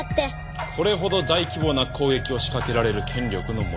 これほど大規模な攻撃を仕掛けられる権力の持ち主。